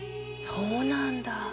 そうなんだ。